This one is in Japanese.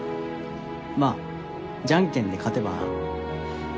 まぁじゃんけんで勝てばな。